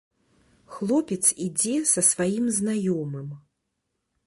Хлопец ідзе са сваім знаёмым.